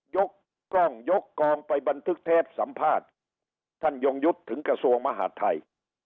ยกกล้องยกกองไปบันทึกเทปสัมภาษณ์ท่านยงยุทธ์ถึงกระทรวงมหาดไทย